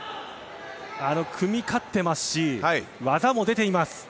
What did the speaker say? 組み勝っていますし技も出ています。